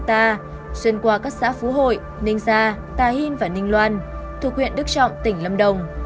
xuyên qua các xã phú hội ninh gia tà hìn và ninh loan thuộc huyện đức trọng tỉnh lâm đồng